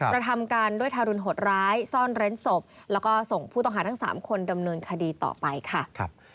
กระทำการด้วยทารุณหดร้ายซ่อนเร้นศพแล้วก็ส่งผู้ต้องหาทั้ง๓คนดำเนินคดีต่อไปค่ะ